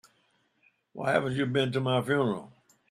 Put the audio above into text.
Why haven't you been to my funeral?